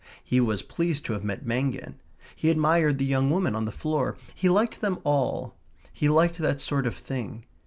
He was pleased to have met Mangin; he admired the young woman on the floor; he liked them all; he liked that sort of thing.